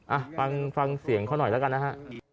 อ่ะฟังเสียงเขาหน่อยแล้วกันนะฮะ